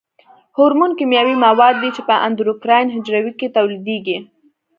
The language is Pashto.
هورمون کیمیاوي مواد دي چې په اندوکراین حجرو کې تولیدیږي.